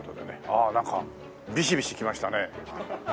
ああなんかビシビシきましたね。